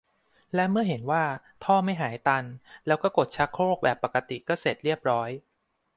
และเมื่อเห็นว่าท่อไม่หายตันแล้วก็กดชักโครกแบบปกติก็เสร็จเรียบร้อย